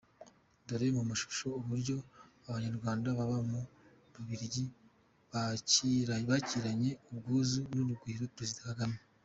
Dore mu mashusho Uburyo Abanyarwanda baba mu Bubiligi bakiranye ubwuzu n’urugwiro Perezida Kagame.